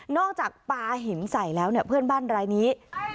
จากปลาหินใส่แล้วเนี่ยเพื่อนบ้านรายนี้